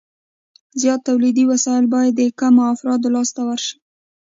زیات تولیدي وسایل باید د کمو افرادو لاس ته ورشي